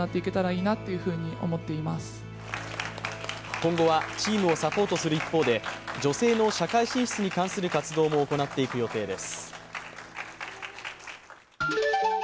今後は、チームをサポートする一方で女性の社会進出に関する活動も行っていく予定です。